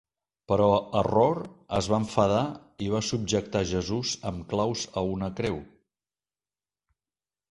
Però Error es va enfadar i va subjectar Jesus amb claus a una creu.